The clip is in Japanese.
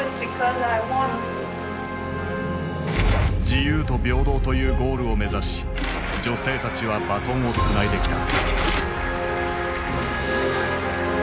自由と平等というゴールを目指し女性たちはバトンをつないできた。